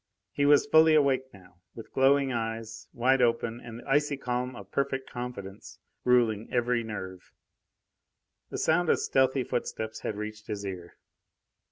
He was fully awake now, with glowing eyes wide open and the icy calm of perfect confidence ruling every nerve. The sound of stealthy footsteps had reached his ear.